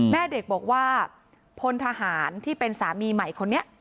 แม่เด็กบอกว่าพลทหารที่เป็นสามีใหม่คนนี้